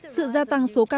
sự gia tăng số ca mắc mới